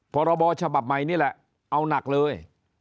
พรบฉบับใหม่นี่แหละเอาหนักเลย